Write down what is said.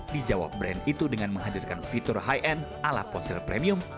dijawab brand itu dengan menghadirkan fitur high end ala ponsel premium